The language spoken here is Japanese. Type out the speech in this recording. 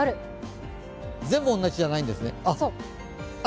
全部同じじゃないんですね。